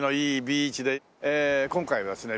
今回はですね